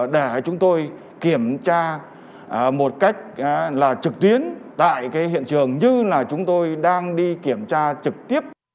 để chúng tôi kiểm tra một cách là trực tuyến tại hiện trường như là chúng tôi đang đi kiểm tra trực tiếp